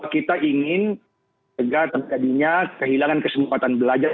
kita ingin segera terhadapnya kehilangan kesempatan belajar